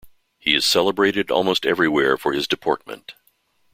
He is celebrated almost everywhere for his deportment.